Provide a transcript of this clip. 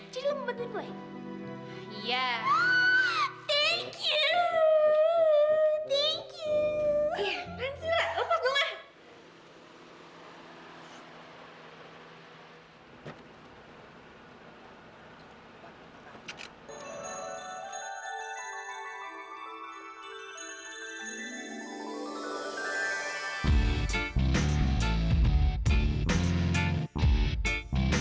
jadi lo mau bantuin gue